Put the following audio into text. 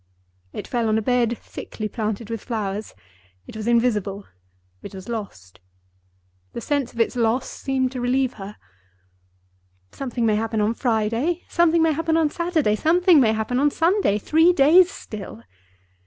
It fell on a bed thickly planted with flowers. It was invisible; it was lost. The sense of its loss seemed to relieve her. "Something may happen on Friday; something may happen on Saturday; something may happen on Sunday. Three days still!"